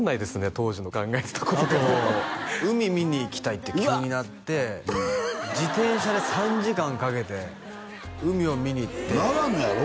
当時の考えてたこととかもうあと海見に行きたいって急になって自転車で３時間かけて海を見に行って長野やろ？